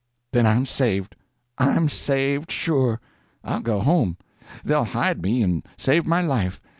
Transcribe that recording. "Then I'm saved, I'm saved, sure! I'll go home. They'll hide me and save my life.